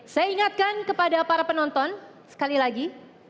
saya ingatkan kepada para penonton sekali lagi